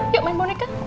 yuk main boneka